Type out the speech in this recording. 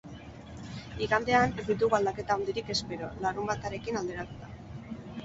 Igandean ez ditugu aldaketa handirik espero, larunbatarekin alderatuta.